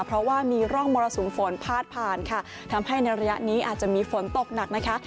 เพราะว่ามีร่องมรสุมฝนพาดผ่านค่ะทำให้ในระยะนี้อาจจะมีฝนตกหนักนะคะ